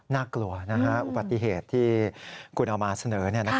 น่ากลัวอุบัติเหตุที่คุณเอามาเสนอ